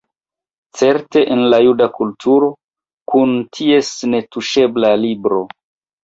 Certe en la juda kulturo, kun ties netuŝebla Libro.